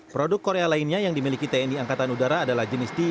produk korea lainnya yang dimiliki tni angkatan udara adalah jenis t lima puluh golden eagle